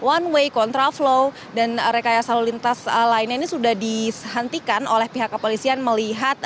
one way contra flow dan rekaya lintas lainnya ini sudah dihentikan oleh pihak kepolisian melihat